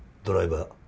ドライバー。